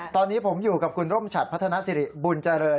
ตอนนี้ผมอยู่กับคุณร่มฉัดพัฒนาสิริบุญเจริญ